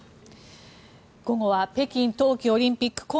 午後は北京冬季オリンピック